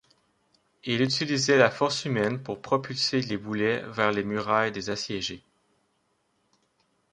Il utilisait la force humaine pour propulser les boulets vers les murailles des assiégés.